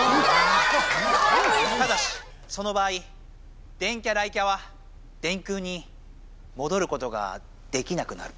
ただしその場合電キャ雷キャは電空にもどることができなくなる。